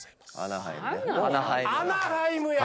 アナハイムや！